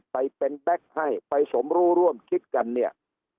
ไปเป็นแบ็คให้ไปสมรู้ร่วมคิดกันเนี่ย